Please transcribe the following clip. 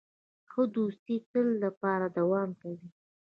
ښه دوستي د تل لپاره دوام کوي.